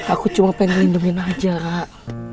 aku cuma pengen lindungin aja kak